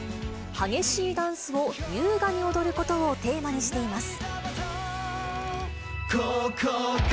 激しいダンスを優雅に踊ることをテーマにしています。